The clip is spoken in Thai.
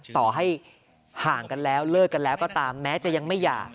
ต่อให้ห่างกันแล้วเลิกกันแล้วก็ตามแม้จะยังไม่หย่า